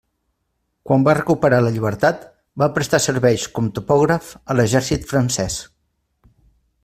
Quan va recuperar la llibertat va prestar serveis com topògraf a l'exèrcit francès.